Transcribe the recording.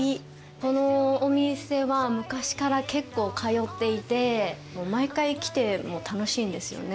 このお店は昔から結構通っていて毎回来ても楽しいんですよね。